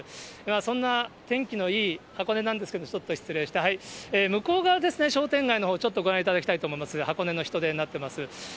そんな天気のいい箱根なんですけど、ちょっと失礼して、向こう側ですね、商店街のほう、ちょっとご覧いただきたいと思いますが、箱根の人出になっています。